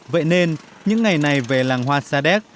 vậy nên những ngày này về làng hoa sa đéc